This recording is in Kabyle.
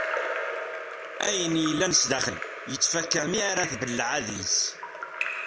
Ayen yellan sdaxel yettfaka mi ara tbelleɛ adlis.